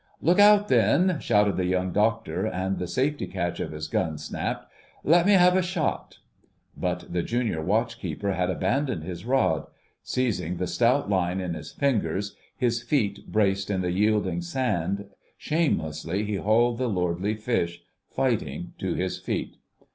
"Look out, then!" shouted the Young Doctor, and the safety catch of his gun snapped. "Let me have a shot——" But the Junior Watch keeper had abandoned his rod. Seizing the stout line in his fingers, his feet braced in the yielding sand, shamelessly he hauled the lordly fish, fighting, to his feet.